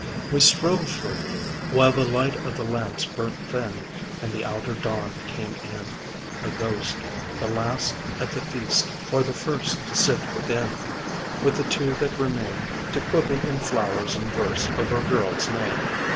We strove for a name, while the light of the lamps burnt thin and the outer dawn came in, a ghost, the last at the feast or the first, to sit within with the two that remained to quibble in flowers and verse over a girl's name.